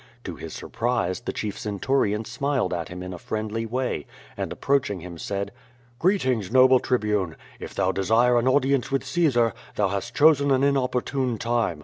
To his surprise, the chief centurion smiled at him in a friendly way, and approaching him, said: "Greetings, noble Tribune. If thou desire an audience with Caesar, thou hast chosen an inopportune time.